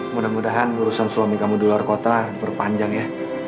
mudah mudahan urusan suami kamu di luar kota berpanjang ya